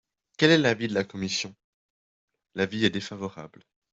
Quel est l’avis de la commission ? L’avis est défavorable.